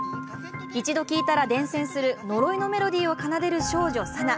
１度聴いたら伝染する呪いのメロディーを奏でる少女・さな。